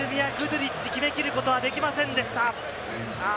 セルビア、グドゥリッチ、決め切ることはできませんでした。